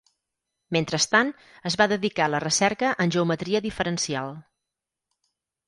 Mentrestant, es va dedicar a la recerca en geometria diferencial.